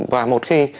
và một khi